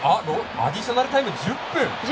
アディショナルタイム１０分。